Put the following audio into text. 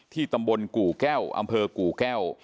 ตำบลกู่แก้วอำเภอกู่แก้ว